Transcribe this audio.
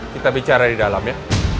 kita bicara di dalam ya